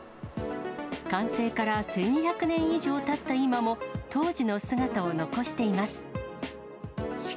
完成から１２００年以上たった今も、当時の姿を残しています。